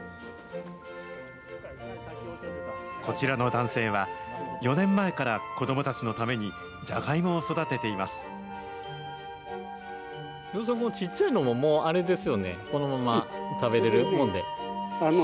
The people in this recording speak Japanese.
こちらの男性は、４年前から子どもたちのためにじゃがいもを育てています。